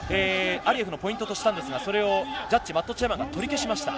アリエフのポイントとしたんですが、ジャッジ、マットチェアマンが取り消しました。